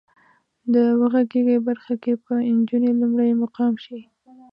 د وغږېږئ برخه کې به انجونې لومړی مقام شي.